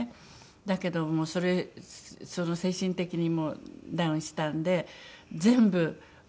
だけどもうそれ精神的にダウンしたんで全部降りて。